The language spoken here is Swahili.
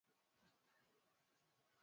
Mungu wangu wewe, Unaweza